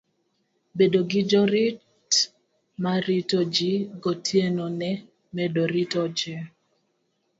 Bedo gi jorit ma rito ji gotieno ne medo rito ji